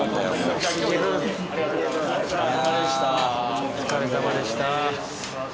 お疲れさまでした。